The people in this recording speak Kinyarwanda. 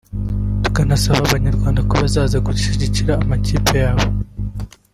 tukanasaba Abanyarwanda ko bazaza gushyigikira amakipe yabo